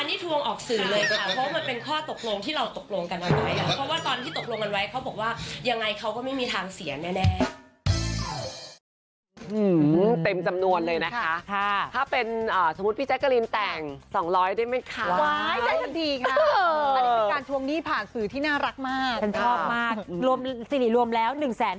อันนี้ทวงออกสื่อเลยค่ะเพราะมันเป็นข้อตกลงที่เราตกลงกันเอาไว้แล้วเพราะว่าตอนที่ตกลงกันไว้เขาบอกว่ายังไงเขาก็ไม่มีทางเสียแน่